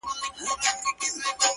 • دې يوه لمن ښكلا په غېږ كي ايښې ده،